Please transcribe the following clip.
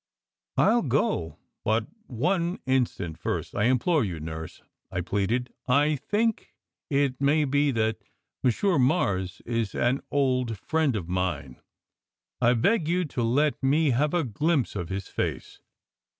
"I ll go, but one instant first, I implore you, nurse!" I pleaded. "I think it may be that Monsieur Mars is an old friend of mine. I beg you to let me have a glimpse of his face!"